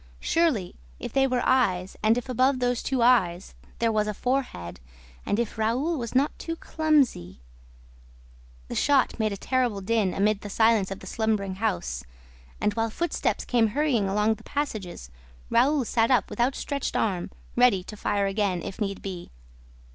Surely, if they were eyes and if above those two eyes there was a forehead and if Raoul was not too clumsy ... The shot made a terrible din amid the silence of the slumbering house. And, while footsteps came hurrying along the passages, Raoul sat up with outstretched arm, ready to fire again, if need be.